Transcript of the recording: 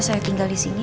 saya tinggal di sini